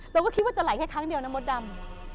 เราก็คิดว่าจะไหลแค่ครั้งเดียวนะมดดำ